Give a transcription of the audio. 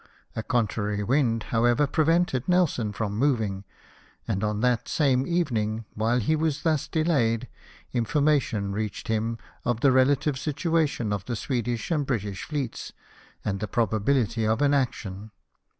A contrary wind, how ever, prevented Nelson from moving; and on that same evening, while he was thus delayed, information reached him of the relative situation of the Swedish and British fleets, and the probability of an action.